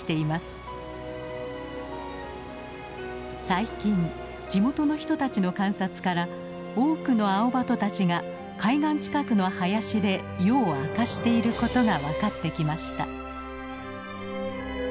最近地元の人たちの観察から多くのアオバトたちが海岸近くの林で夜を明かしていることが分かってきました。